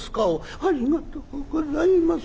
『ありがとうございます』。